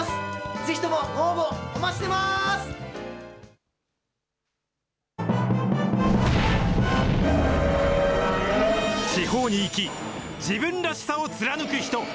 ぜひとも、ご応募お待ちしていま地方に生き、自分らしさを貫く人。